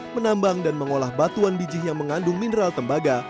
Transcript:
menambang dan mengolah batuan bijih yang mengandung mineral tembaga